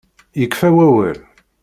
Yekfa wawal.